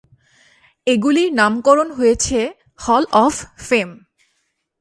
এগুলির নামকরণ হয়েছে ‘হল অফ ফেম’।